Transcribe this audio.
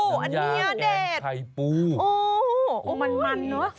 น้ำยาแกงไข่ปูมันเนอะ